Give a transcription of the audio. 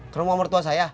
kamu mau mertua saya